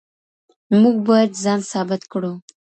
موږ بايد ځان ثابت کړو.